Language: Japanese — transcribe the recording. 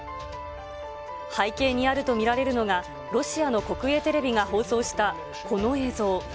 背景にあると見られるのが、ロシアの国営テレビが放送したこの映像。